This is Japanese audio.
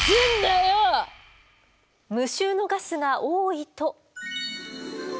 無臭のガスが多いと。